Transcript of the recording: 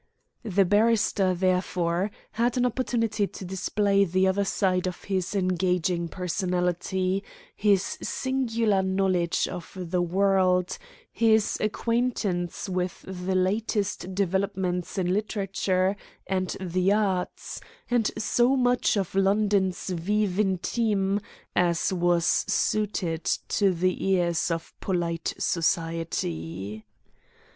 The barrister, therefore, had an opportunity to display the other side of his engaging personality, his singular knowledge of the world, his acquaintance with the latest developments in literature and the arts, and so much of London's vie intime as was suited to the ears of polite society.